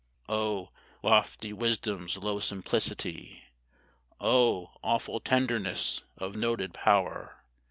"O lofty wisdom's low simplicity! O awful tenderness of noted power!